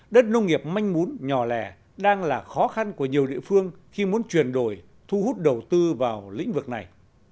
đất nông nghiệp manh mún nhỏ lẻ đang là khó khăn của nhiều địa phương khi muốn chuyển đổi thu hút đầu tư vào lĩnh vực này